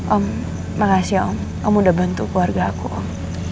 om makasih ya om kamu udah bantu keluarga aku om